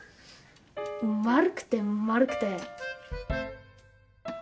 丸くて丸くて。